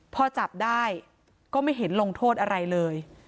พอจับได้ก็ไม่เห็นลงโทษอะไรเลย